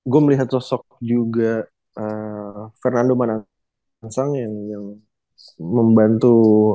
gue melihat sosok juga fernando manang sang yang membantu